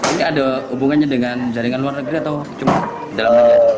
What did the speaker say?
ini ada hubungannya dengan jaringan luar negeri atau cuma dalam negara